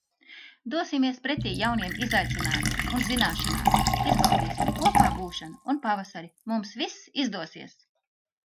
Dosimies pretī jauniem izaicinājumiem un zināšanām. Izbaudīsim kopā būšanu un pavasari. Mums viss izdosies!